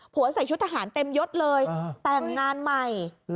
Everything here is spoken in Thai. ใส่ชุดทหารเต็มยดเลยแต่งงานใหม่